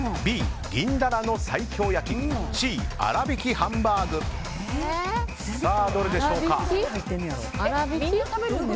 Ｂ、銀ダラの西京焼きＣ、粗びきハンバーグどれでしょうか。